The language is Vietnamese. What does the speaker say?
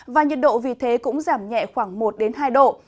và nhiệt độ vì thế cũng giảm nhẹ khoảng một hai độ